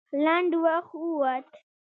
لنډ وخت ووت.